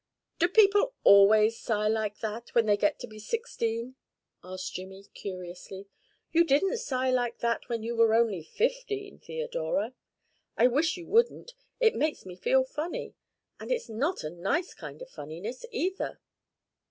"Do people always sigh like that when they get to be sixteen?" asked Jimmy curiously. "You didn't sigh like that when you were only fifteen, Theodora. I wish you wouldn't. It makes me feel funny and it's not a nice kind of funniness either."